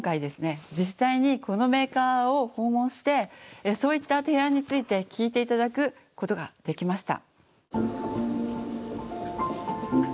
実際にこのメーカーを訪問してそういった提案について聞いて頂くことができました。